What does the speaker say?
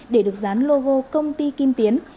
để được dán logo công ty kim tiến